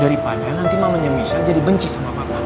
daripada nanti mamanya bisa jadi benci sama papa